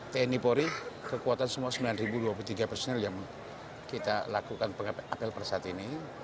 tni polri kekuatan semua sembilan dua puluh tiga personel yang kita lakukan apel per saat ini